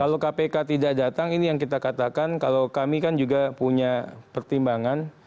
kalau kpk tidak datang ini yang kita katakan kalau kami kan juga punya pertimbangan